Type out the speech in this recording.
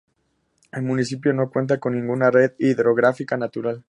El municipio no cuenta con ninguna red hidrográfica natural.